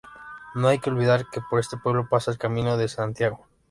No hay que olvidar que por este pueblo pasa el Camino de Santiago.